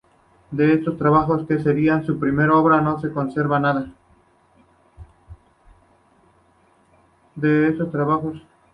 De estos trabajos, que serían su primera obra, no se conserva nada.